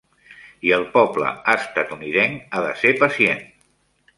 I el poble estatunidenc ha de ser pacient.